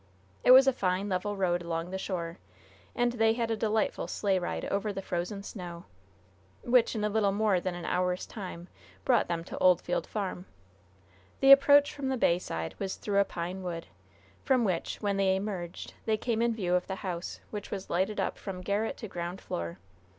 It was a fine, level road along the shore, and they had a delightful sleigh ride over the frozen snow, which, in a little more than an hour's time, brought them to Oldfield Farm. The approach from the bay side was through a pine wood, from which, when they emerged, they came in view of the house, which was lighted up from garret to ground floor.